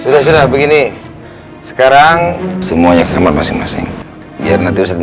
sudah sudah begini sekarang semuanya ke kamar masing masing biar nanti ustadz